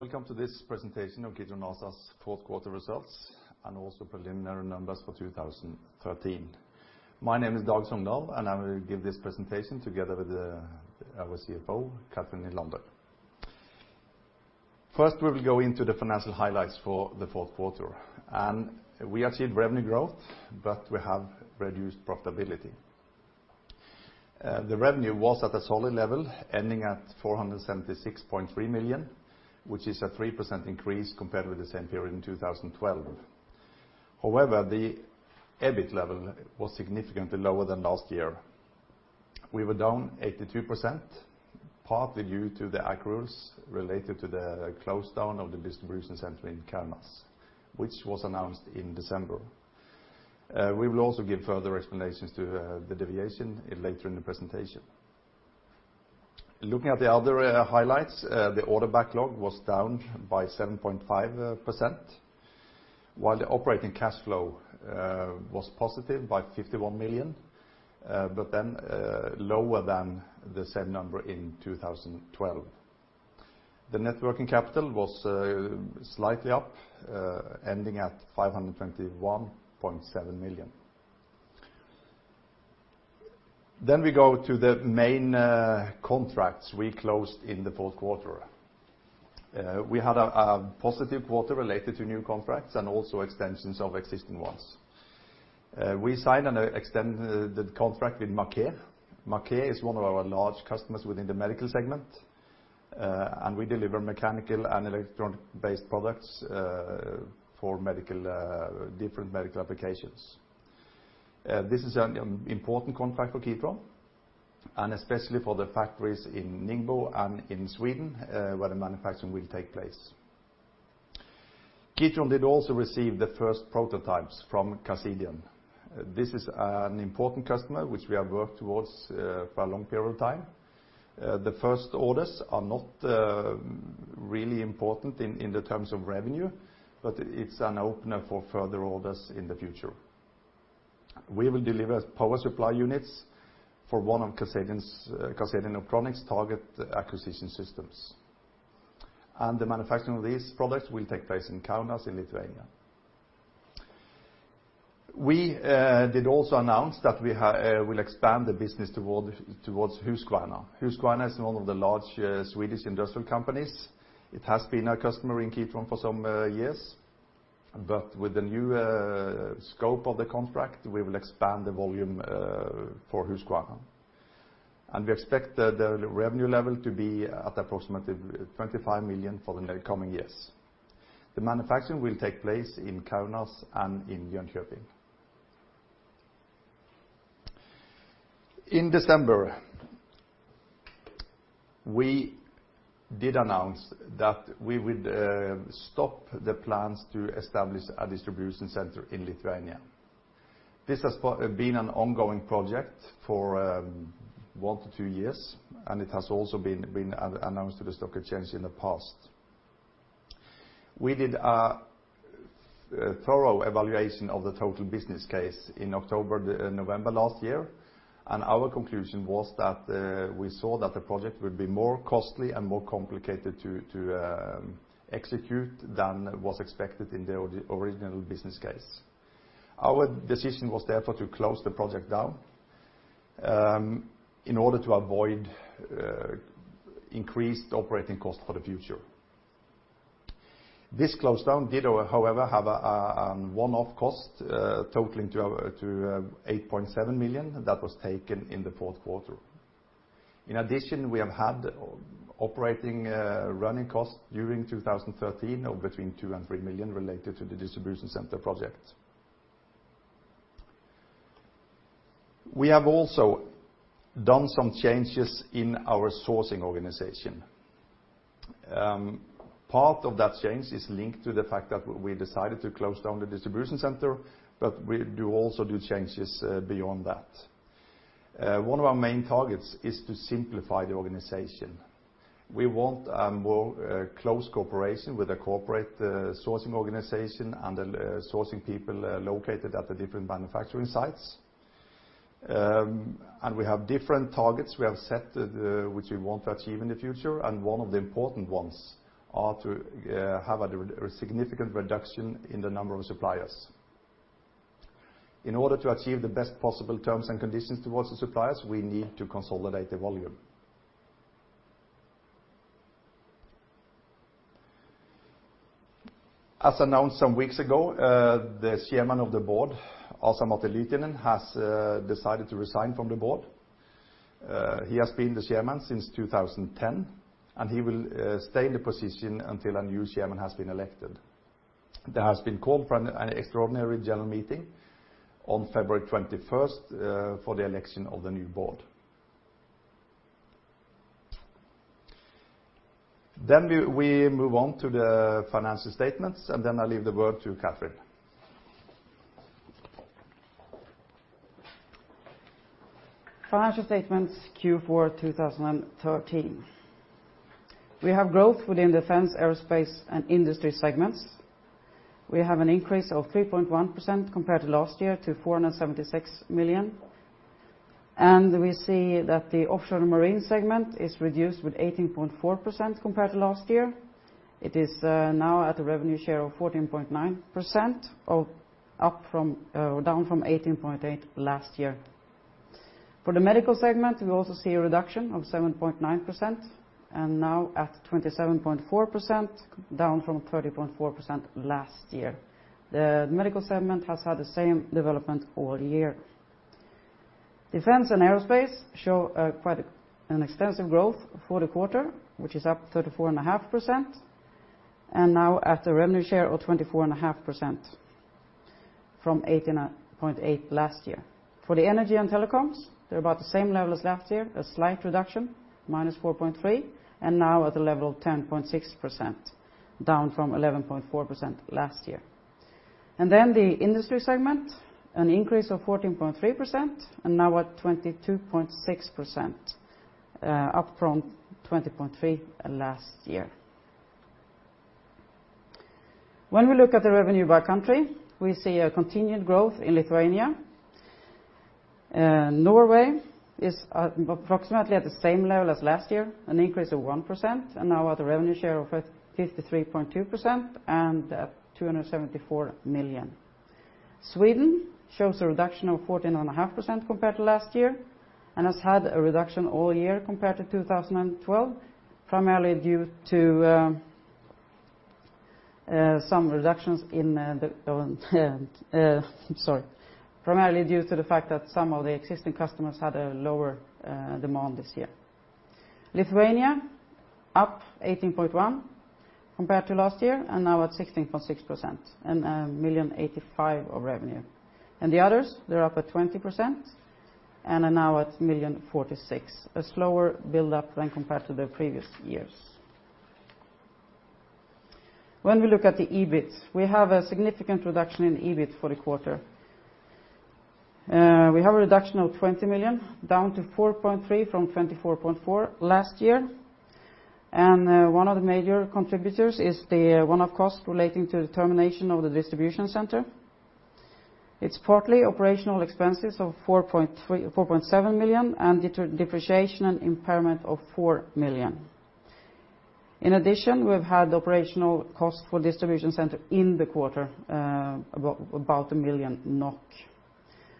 Welcome to this presentation of Kitron ASA's Q4 results, also preliminary numbers for 2013. My name is Dag Songedal, I will give this presentation together with our CFO, Cathrin Nylander. First, we will go into the financial highlights for the Q4. We achieved revenue growth, but we have reduced profitability. The revenue was at a solid level, ending at 476.3 million, which is a 3% increase compared with the same period in 2012. However, the EBIT level was significantly lower than last year. We were down 82%, partly due to the accruals related to the close down of the distribution center in Kaunas, which was announced in December. We will also give further explanations to the deviation later in the presentation. Looking at the other highlights, the order backlog was down by 7.5%, while the operating cash flow was positive by 51 million, but then lower than the same number in 2012. The net working capital was slightly up, ending at 521.7 million. We go to the main contracts we closed in the Q4. We had a positive quarter related to new contracts and also extensions of existing ones. We signed an extended contract with Maquet. Maquet is one of our large customers within the medical segment. We deliver mechanical and electronic-based products for medical, different medical applications. This is an important contract for Kitron, and especially for the factories in Ningbo and in Sweden, where the manufacturing will take place. Kitron did also receive the first prototypes from Cassidian. This is an important customer which we have worked towards for a long period of time. The first orders are not really important in the terms of revenue, but it's an opener for further orders in the future. We will deliver power supply units for one of Cassidian's Cassidian Electronics target acquisition systems. The manufacturing of these products will take place in Kaunas in Lithuania. We did also announce that we will expand the business towards Husqvarna. Husqvarna is one of the large Swedish industrial companies. It has been our customer in Kitron for some years. With the new scope of the contract, we will expand the volume for Husqvarna. We expect the revenue level to be at approximately 25 million for the coming years. The manufacturing will take place in Kaunas and in Jönköping. In December, we did announce that we would stop the plans to establish a distribution center in Lithuania. This has been an ongoing project for 1 to 2 years, and it has also been announced to the stock exchange in the past. We did a thorough evaluation of the total business case in October, November last year, and our conclusion was that we saw that the project would be more costly and more complicated to execute than was expected in the original business case. Our decision was therefore to close the project down in order to avoid increased operating costs for the future. This close down did, however, have a one-off cost, totaling to 8.7 million that was taken in Q4. In addition, we have had operating running costs during 2013 of between 2 million and 3 million related to the distribution center project. We have also done some changes in our sourcing organization. Part of that change is linked to the fact that we decided to close down the distribution center, but we do also do changes beyond that. One of our main targets is to simplify the organization. We want a more close cooperation with the corporate sourcing organization and the sourcing people, located at the different manufacturing sites. We have different targets we have set, which we want to achieve in the future, and one of the important ones are to have a significant reduction in the number of suppliers. In order to achieve the best possible terms and conditions towards the suppliers, we need to consolidate the volume. As announced some weeks ago, the Chairman of the Board, Asa-Matti Lyytinen, has decided to resign from the board. He has been the chairman since 2010, and he will stay in the position until a new chairman has been elected. There has been called for an extraordinary general meeting on February 21st, for the election of the new board. We move on to the financial statements, and then I leave the word to Cathrin. Financial statements Q4 2013. We have growth within Defense and Aerospace, and Industry segments. We have an increase of 3.1% compared to last year to 476 million. We see that the Offshore and Marine segment is reduced with 18.4% compared to last year. It is now at a revenue share of 14.9% down from 18.8% last year. For the Medical segment, we also see a reduction of 7.9% and now at 27.4%, down from 30.4% last year. The Medical segment has had the same development all year. Defense and aerospace show quite an extensive growth for the quarter, which is up 34.5%, and now at a revenue share of 24.5% from 18.8 last year. For the Energy/Telecoms, they're about the same level as last year, a slight reduction, -4.3%, and now at a level of 10.6%, down from 11.4% last year. The Industry segment, an increase of 14.3% and now at 22.6%, up from 20.3 last year. When we look at the revenue by country, we see a continued growth in Lithuania. Norway is at approximately at the same level as last year, an increase of 1%, and now at a revenue share of 53.2% and at 274 million. Sweden shows a reduction of 14.5% compared to last year and has had a reduction all year compared to 2012, primarily due to the fact that some of the existing customers had a lower demand this year. Lithuania, up 18.1 compared to last year, and now at 16.6% and 85 million of revenue. The others, they're up at 20% and are now at 46 million, a slower build-up than compared to the previous years. When we look at the EBIT, we have a significant reduction in EBIT for the quarter. We have a reduction of 20 million, down to 4.3 from 24.4 last year. One of the major contributors is the one-off cost relating to the termination of the distribution center. It's partly operational expenses of 4.7 million and depreciation and impairment of 4 million. In addition, we've had operational costs for distribution center in the quarter, about 1 million NOK.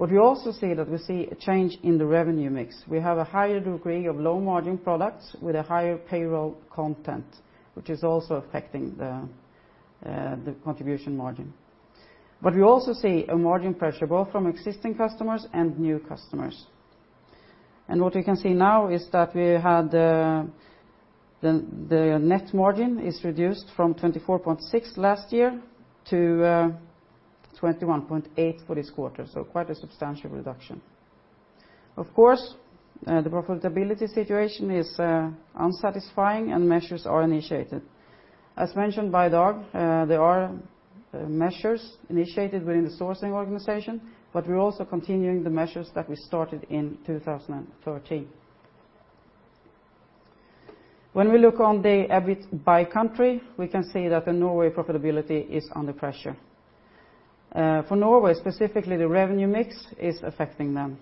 What we also see that we see a change in the revenue mix. We have a higher degree of low-margin products with a higher payroll content, which is also affecting the contribution margin. We also see a margin pressure both from existing customers and new customers. What we can see now is that we had the net margin is reduced from 24.6% last year to 21.8% for this quarter, quite a substantial reduction. Of course, the profitability situation is unsatisfying and measures are initiated. As mentioned by Dag, there are measures initiated within the sourcing organization, we're also continuing the measures that we started in 2013. When we look on the EBIT by country, we can see that the Norway profitability is under pressure. For Norway, specifically, the revenue mix is affecting them.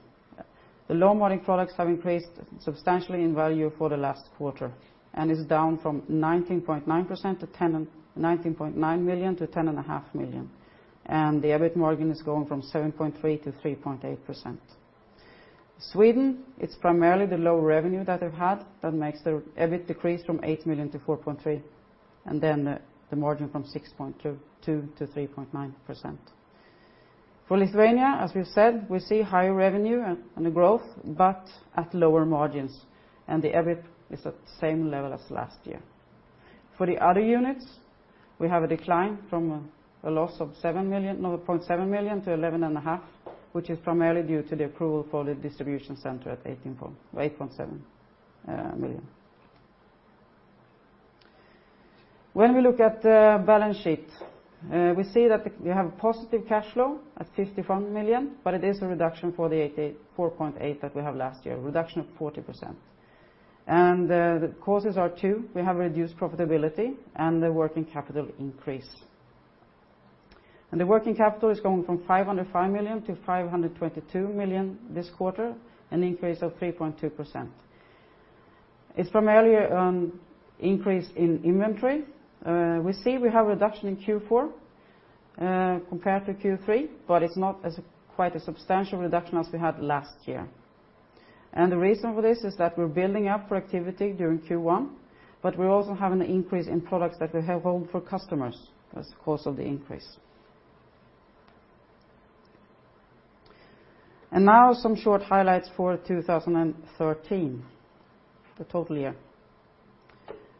The low-margin products have increased substantially in value for the last quarter and is down from 19.9 million–10.5 Million. The EBIT margin is going from 7.3%–3.8%. Sweden, it's primarily the low revenue that they've had that makes their EBIT decrease from 8 million–4.3 million, and then the margin from 6.2%–3.9%. For Lithuania, as we've said, we see higher revenue and growth, but at lower margins. The EBIT is at the same level as last year. For the other units, we have a decline from a loss of 0.7 million–11.5 million, which is primarily due to the accrual for the distribution center at 8.7 million. When we look at the balance sheet, we see that we have positive cash flow at 51 million, but it is a reduction for the 4.8 million that we have last year, a reduction of 40%. The causes are 2. We have reduced profitability and the working capital increase. The working capital is going from 505 million–522 million this quarter, an increase of 3.2%. It's primarily increase in inventory. We see we have a reduction in Q4 compared to Q3, but it's not as quite a substantial reduction as we had last year. The reason for this is that we're building up for activity during Q1, but we're also having an increase in products that we have hold for customers as the cause of the increase. Now some short highlights for 2013, the total year.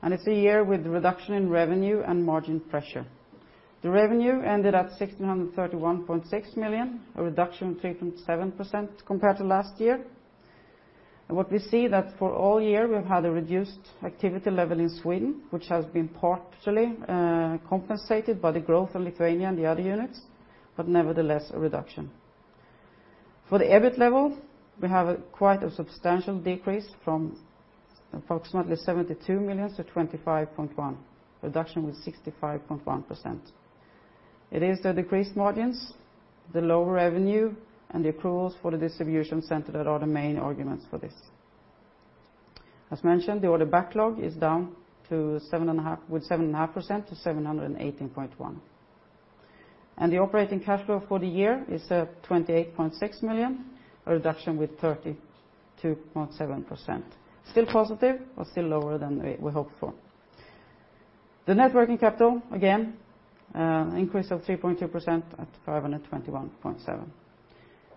It's a year with reduction in revenue and margin pressure. The revenue ended at 1,631.6 million, a reduction of 3.7% compared to last year. What we see that for all year, we've had a reduced activity level in Sweden, which has been partially compensated by the growth in Lithuania and the other units, but nevertheless, a reduction. For the EBIT level, we have a quite a substantial decrease from approximately 72 million–25.1 million. The reduction was 65.1%. It is the decreased margins, the lower revenue, and the accruals for the distribution center that are the main arguments for this. As mentioned, the order backlog is down with 7.5% to 718.1 million. The operating cash flow for the year is at 28.6 million, a reduction with 32.7%. Still positive, but still lower than we hoped for. The net working capital, again, an increase of 3.2% at 521.7 million.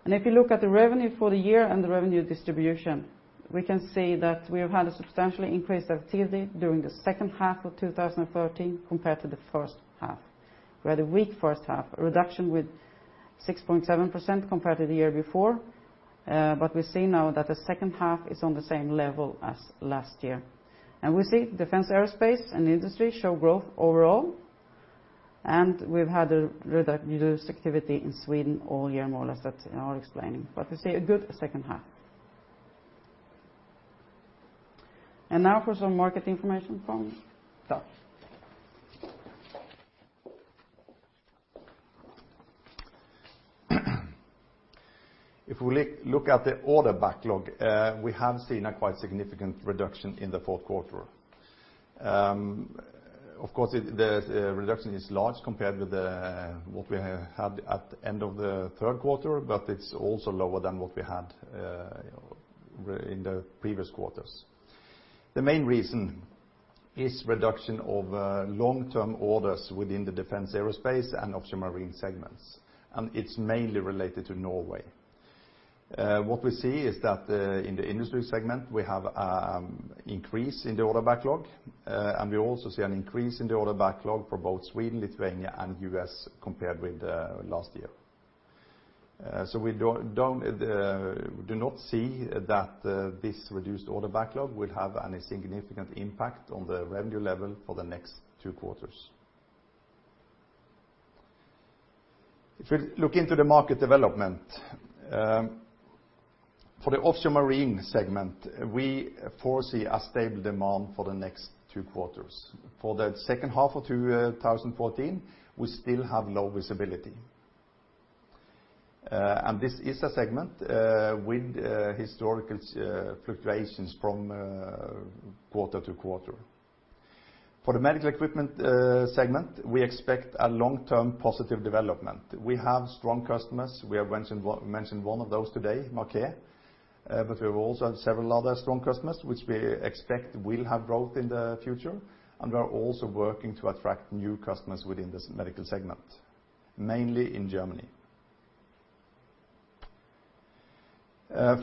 If you look at the revenue for the year and the revenue distribution, we can see that we have had a substantially increased activity during the second half of 2013 compared to the first half. We had a weak first half, a reduction with 6.7% compared to the year before. We see now that the second half is on the same level as last year. We see Defense aerospace and Industry show growth overall, and we've had a reduced activity in Sweden all year more or less that I'll explain. We see a good second half. Now for some market information from Tore. If we look at the order backlog, we have seen a quite significant reduction in the Q4. Of course, the reduction is large compared with what we had at the end of the Q3, but it's also lower than what we had in the previous quarters. The main reason is reduction of long-term orders within the defense aerospace and offshore marine segments, and it's mainly related to Norway. What we see is that in the Industry segment, we have increase in the order backlog. We also see an increase in the order backlog for both Sweden, Lithuania, and U.S. compared with last year. We do not see that this reduced order backlog will have any significant impact on the revenue level for the next two quarters. If you look into the market development, for the offshore marine segment, we foresee a stable demand for the next 2 quarters. For the second half of 2014, we still have low visibility. This is a segment with historical fluctuations from quarter to quarter. For the Medical equipment segment, we expect a long-term positive development. We have strong customers. We have mentioned one of those today, Maquet. But we also have several other strong customers which we expect will have growth in the future, and we are also working to attract new customers within this medical segment, mainly in Germany.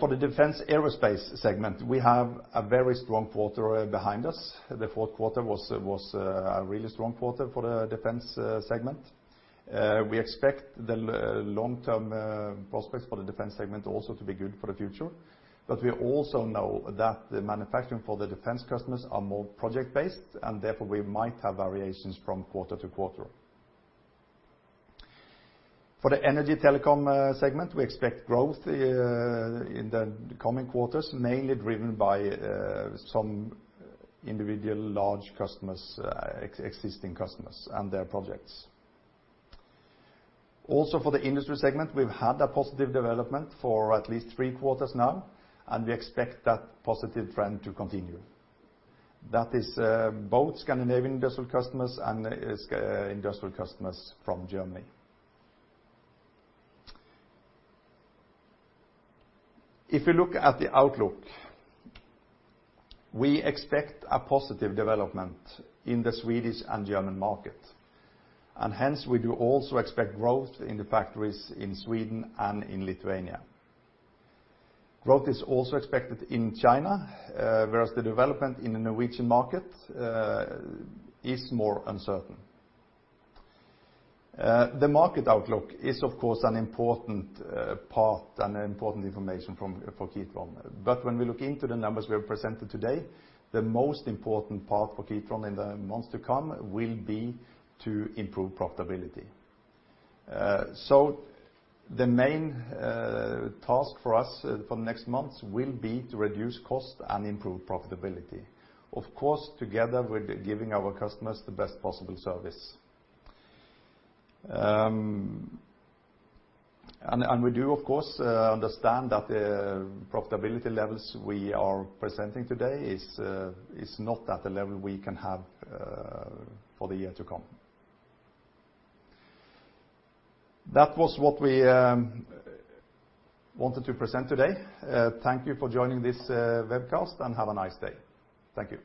For the defense aerospace segment, we have a very strong quarter behind us. The Q4 was a really strong quarter for the defense segment. We expect the long-term prospects for the defense segment also to be good for the future. We also know that the manufacturing for the defense customers are more project-based, and therefore we might have variations from quarter to quarter. For the Energy/Telecoms segment, we expect growth in the coming quarters, mainly driven by some individual large customers, existing customers and their projects. For the Industry segment, we've had a positive development for at least 3 quarters now, and we expect that positive trend to continue. That is both Scandinavian industrial customers and is industrial customers from Germany. If you look at the outlook, we expect a positive development in the Swedish and German market, and hence we do also expect growth in the factories in Sweden and in Lithuania. Growth is also expected in China, whereas the development in the Norwegian market is more uncertain. The market outlook is of course an important part and important information from, for Kitron. When we look into the numbers we have presented today, the most important part for Kitron in the months to come will be to improve profitability. The main task for us for next months will be to reduce cost and improve profitability. Of course, together with giving our customers the best possible service. We do of course understand that the profitability levels we are presenting today is not at the level we can have for the year to come. That was what we wanted to present today. Thank you for joining this webcast, have a nice day. Thank you.